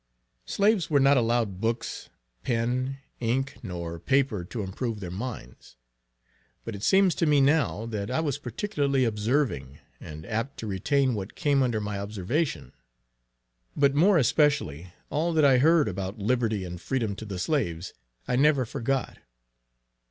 Slaves were not allowed books, pen, ink, nor paper, to improve their minds. But it seems to me now, that I was particularly observing, and apt to retain what came under my observation. But more especially, all that I heard about liberty and freedom to the slaves, I never forgot.